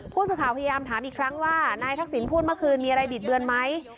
ผู้สื่อข่าวพยายามถามอีกครั้งว่านายทักษิณพูดเมื่อคืนมีอะไรบิดเบือนไหม